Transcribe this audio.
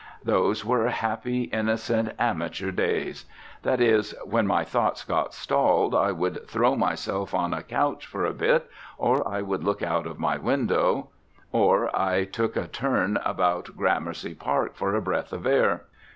Those were happy, innocent, amateur days. That is: when my thoughts got stalled I would throw myself on a couch for a bit, or I would look out at my window, or I took a turn about Gramercy Park for a breath of air.